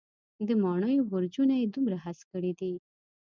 د ماڼېیو برجونه یې دومره هسک کړي دی.